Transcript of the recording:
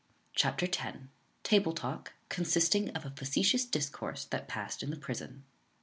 Chapter x Table talk, consisting of a facetious discourse that passed in the prison.